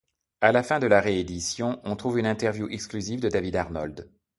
À la fin de la réédition, on trouve une interview exclusive de David Arnold.